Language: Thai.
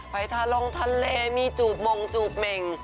ทะลงทะเลมีจูบมงจูบเมง